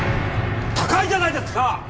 高いじゃないですか！